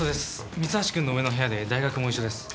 三橋くんの上の部屋で大学も一緒です。